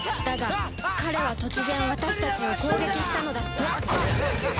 だが彼は突然私たちを攻撃したのだった